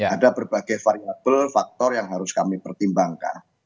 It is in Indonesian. ada berbagai variabel faktor yang harus kami pertimbangkan